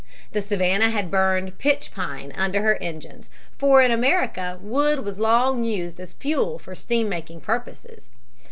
The Savannah had burned pitch pine under her engines, for in America wood was long used as fuel for steam making purposes.